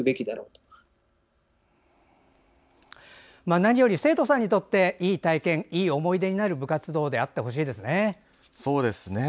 何より生徒さんにとっていい体験、いい思い出になる部活動であってほしいですね。